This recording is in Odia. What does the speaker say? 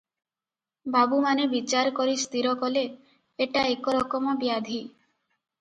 ବାବୁମାନେ ବିଚାର କରି ସ୍ଥିର କଲେ, ଏଟା ଏକ ରକମ ବ୍ୟାଧି ।